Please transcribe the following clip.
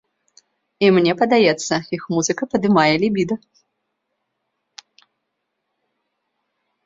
І мне падаецца, іх музыка падымае лібіда.